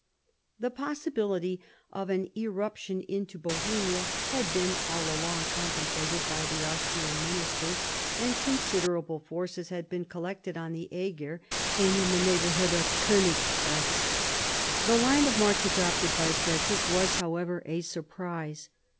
The possibility of an irruption into Bohemia had been all along contemplated by the Austrian ministers, and considerable forces had been collected on the Eger and in the neighbourhood of Koniggratz. The line of march adopted by Frederick was, however, a surprise.